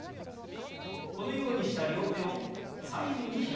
このようにした両手を左右に開きます。